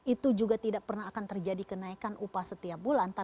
itu juga tidak pernah akan terjadi kenaikan upah setiap bulan